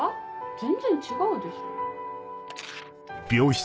全然違うでしょ。